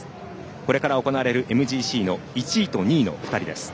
これから行われるＭＧＣの１位と２位の２人です。